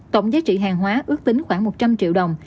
tổng giá trị hàng hóa ước tính khoảng một trăm linh triệu đồng